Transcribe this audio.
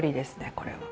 これは。